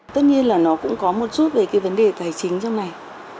tất nhiên là nó cũng có một chút về cái vấn đề tài chính trong này